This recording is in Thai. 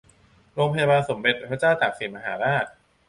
โรงพยาบาลสมเด็จพระเจ้าตากสินมหาราช